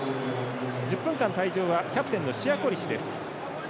１０分間退場はキャプテンのシヤ・コリシです。